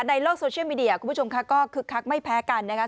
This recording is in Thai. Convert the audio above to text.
ในโลกโซเชียลมีเดียคุณผู้ชมค่ะก็คึกคักไม่แพ้กันนะคะ